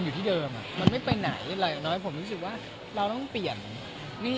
ดูแลเรื่องอาหารดูแลเรื่องการออกความกายด้วย